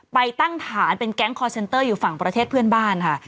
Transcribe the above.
ไปตั้งฐานเป็นแก๊งคอร์เซ็นเตอร์อยู่ฝั่งประเทศเพื่อนบ้านค่ะ